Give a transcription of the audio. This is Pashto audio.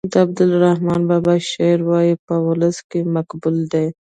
د عبدالرحمان بابا شعر ولې په ولس کې مقبول دی.